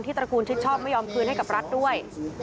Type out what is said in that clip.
ตระกูลชิดชอบไม่ยอมคืนให้กับรัฐด้วย